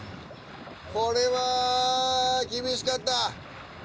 これは厳しかった。